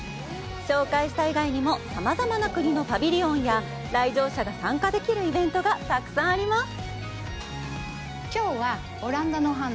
紹介した以外にもさまざまな国のパビリオンや来場者が参加できるイベントがたくさんあります。